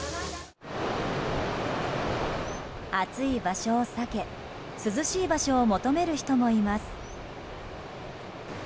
暑い場所を避け涼しい場所を求める人もいます。